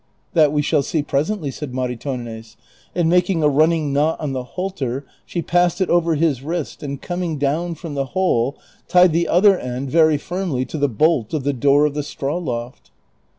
" That we shall see presently," said Maritornes, and making a running knot on the halter, she passed it over his wrist and coming down from the hole tied the other end very firmly to the bolt of the door of the straw loft.